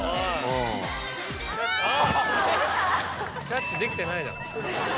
キャッチできてないじゃん。